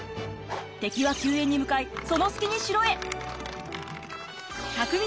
敵は救援に向かいその隙に城へ！